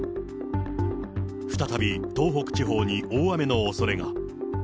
再び東北地方に大雨のおそれが。